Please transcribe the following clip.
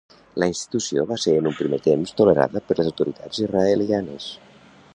La institució va ser en un primer temps tolerada per les autoritats israelianes.